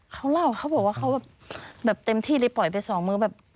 เขาเล่าเขาบอกว่าเขาแบบเต็มที่เลยปล่อยไปสองมือแบบ